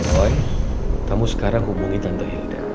boy kamu sekarang hubungi tante hilda